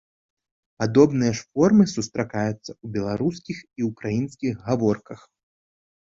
Падобныя ж формы сустракаюцца ў беларускіх і ўкраінскіх гаворках.